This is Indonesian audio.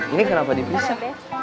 ini kenapa dibisa